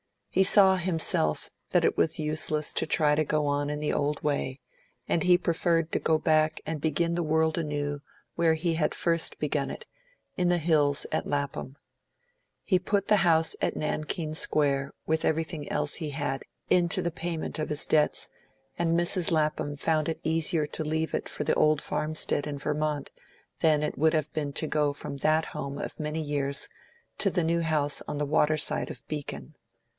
He saw himself that it was useless to try to go on in the old way, and he preferred to go back and begin the world anew where he had first begun it, in the hills at Lapham. He put the house at Nankeen Square, with everything else he had, into the payment of his debts, and Mrs. Lapham found it easier to leave it for the old farmstead in Vermont than it would have been to go from that home of many years to the new house on the water side of Beacon.